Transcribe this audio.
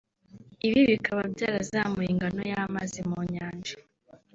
ibi bikaba byarazamuye ingano y’amazi mu nyanja